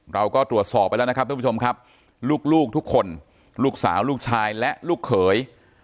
เราก็ตรวจสอบไปแล้วนะครับทุกผู้ชมครับลูกทุกคนลูกสาวลูกชายและลูกเขย